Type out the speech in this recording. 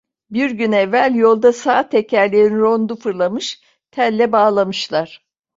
Bir gün evvel yolda sağ tekerleğin rondu fırlamış, telle bağlamışlar…